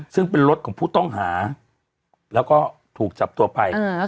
ซึ่งเป็นรถของผู้ต้องหาแล้วก็ถูกจับตัวไป